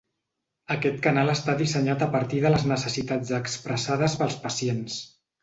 Aquest canal està dissenyat a partir de les necessitats expressades pels pacients.